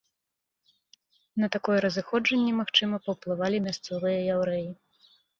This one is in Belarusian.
На такое разыходжанне, магчыма, паўплывалі мясцовыя яўрэі.